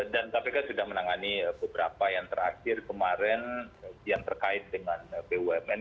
dan kpk sudah menangani beberapa yang terakhir kemarin yang terkait dengan bumn